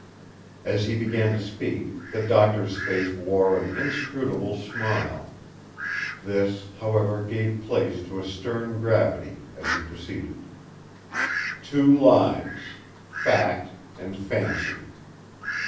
As he began to speak, the Doctor's face wore an inscrutable smile; this, however, gave place to a stern gravity as he proceeded: "Two lines: Fact and—Fancy!